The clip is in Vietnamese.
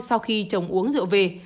sau khi chồng uống rượu về